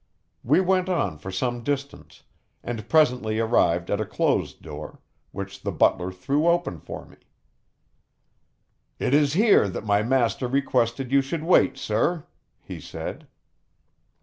We went on for some distance, and presently arrived at a closed door, which the butler threw open for me. "It is here that my master requested you should wait, sir," he said.